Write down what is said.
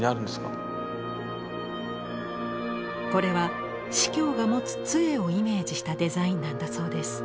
これは司教が持つ杖をイメージしたデザインなんだそうです。